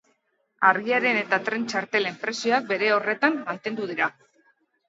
Argiaren eta tren-txartelen prezioak bere horretan mantendu dira.